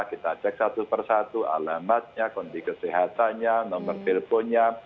kita cek satu per satu alamatnya konti kesehatannya nomor teleponnya